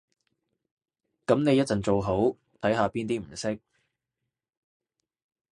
噉你一陣做好，睇下邊啲唔識